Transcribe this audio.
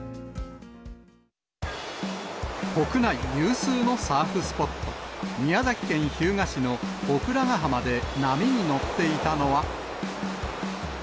国内有数のサーフスポット、宮崎県日向市のお倉ヶ浜で波に乗っていたのは。